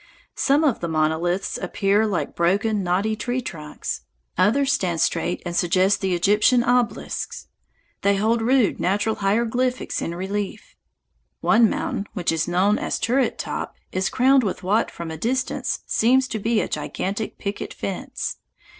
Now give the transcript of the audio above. Some of the monoliths appear like broken, knotty tree trunks. Others stand straight and suggest the Egyptian obelisks. They hold rude natural hieroglyphics in relief. One mountain, which is known as Turret Top, is crowned with what from a distance seems to be a gigantic picket fence.